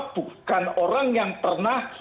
bukan orang yang pernah